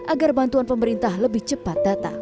agar bantuan pemerintah lebih cepat datang